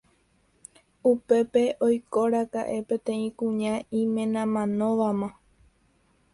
Upépe oikóraka'e peteĩ kuña imenamanóvama